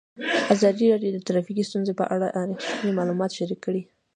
ازادي راډیو د ټرافیکي ستونزې په اړه رښتیني معلومات شریک کړي.